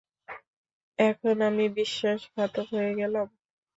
এখন আমি বিশ্বাসঘাতক হয়ে গেলাম?